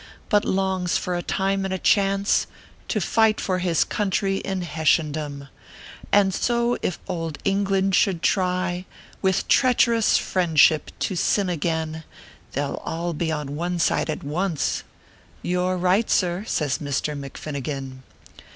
But longs for a time and a chance To fight for this country in Hessian dom ; And so, if ould England should try "With treacherous friendship to sin again, They ll all be on one side at once " "You re right, sir," says Misther McFinnigan.